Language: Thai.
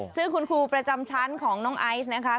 ซึ่งคุณครูประจำชั้นของน้องไอซ์นะคะ